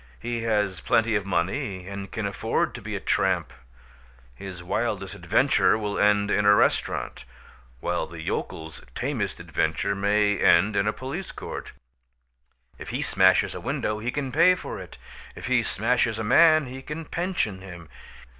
He has plenty of money and can afford to be a tramp. His wildest adventure will end in a restaurant, while the yokel's tamest adventure may end in a police court. If he smashes a window he can pay for it; if he smashes a man he can pension him.